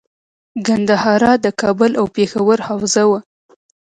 ګندهارا د کابل او پیښور حوزه وه